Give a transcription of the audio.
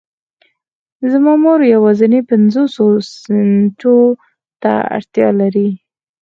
زما مور يوازې پنځوسو سنټو ته اړتيا لري.